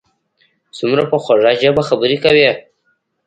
څومره په خوږه ژبه خبرې کوي.